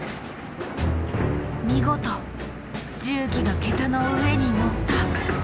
見事重機が桁の上に乗った。